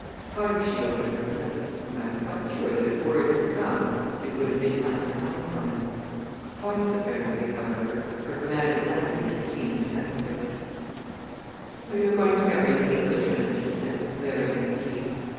Twice she opened her lips, and I am quite sure that if words had come they would have been unkind ones. Twice apparently, however, her command of language seemed inadequate. "So you're going to marry an Englishman," she said, glaring at Eve.